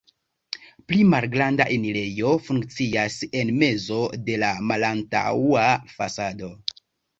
Pli malgranda enirejo funkcias en mezo de la malantaŭa fasado.